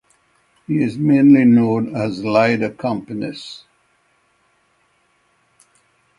He is mainly known as Lied accompanist.